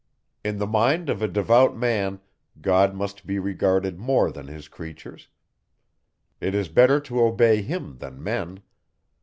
In the mind of a devout man, God must be regarded more than his creatures; it is better to obey him, than men.